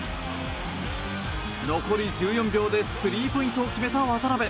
残り１４秒でスリーポイントを決めた渡邊。